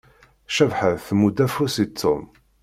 Cabḥa tmudd afus i Tom.